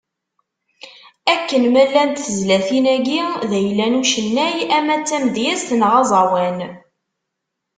Akken ma llant tezlatin-agi, d ayla n ucennay, ama d tameyazt neɣ aẓawan.